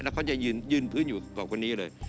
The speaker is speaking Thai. แล้วเขาจะยืนพื้นอยู่กับคนนี้เลย